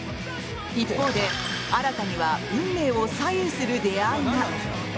一方で、新には運命を左右する出会いが。